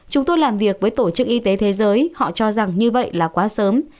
chúng tôi làm việc với tổ chức y tế thế giới họ cho rằng như vậy là quá sớm